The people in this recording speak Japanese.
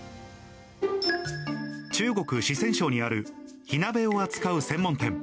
中国・四川省にある火鍋を扱う専門店。